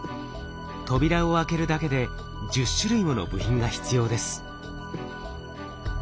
扉を開けるだけで１０種類もの部品が必要です。